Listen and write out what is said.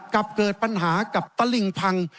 กับเกิดปัญหากับตลิ่งพัง